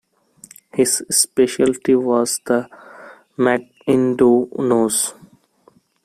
His specialty was the 'McIndoe nose'.